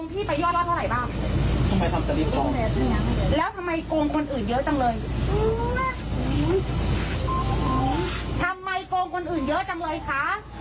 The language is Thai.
ทำไมโกงคนอื่นเยอะจังเลยทำไมโกงคนอื่นเยอะจังเลยคะ